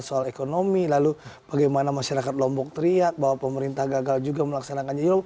soal ekonomi lalu bagaimana masyarakat lombok teriak bahwa pemerintah gagal juga melaksanakannya juga